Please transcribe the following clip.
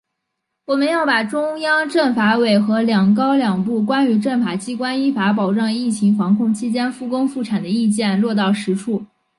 我们要把中央政法委和‘两高两部’《关于政法机关依法保障疫情防控期间复工复产的意见》落到实处